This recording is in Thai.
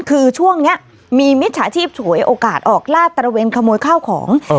คือช่วงนี้มีมิจฉาชีพฉวยโอกาสออกลาดตระเวนขโมยข้าวของ